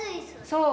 そう。